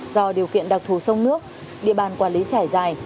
do điều kiện đặc thù sông nước địa bàn quản lý trải dài